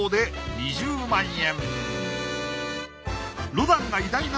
５０万円！